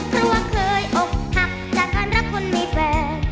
เพราะว่าเคยอกหักจากการรักคนมีแฟน